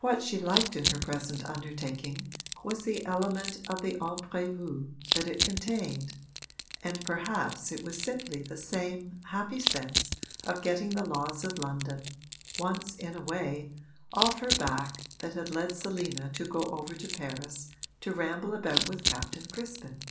What she liked in her present undertaking was the element of the imprévu that it contained, and perhaps it was simply the same happy sense of getting the laws of London once in a way off her back that had led Selina to go over to Paris to ramble about with Captain Crispin.